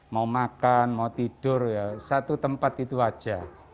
mau makan mau tidur ya satu tempat itu aja